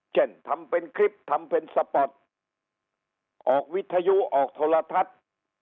เช่นทำเป็นคลิปทำเป็นสปอร์ตออกวิทยุออกโทรทัศน์